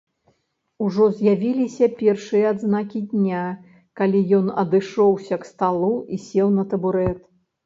Ужо з'явіліся першыя адзнакі дня, калі ён адышоўся к сталу і сеў на табурэт.